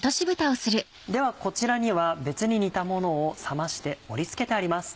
ではこちらには別に煮たものを冷まして盛り付けてあります。